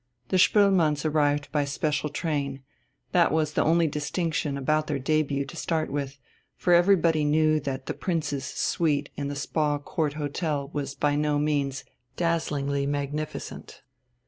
The Spoelmanns arrived by special train that was the only distinction about their debut to start with, for everybody knew that the "Prince's suite" in the "Spa Court" Hotel was by no means dazzlingly magnificent.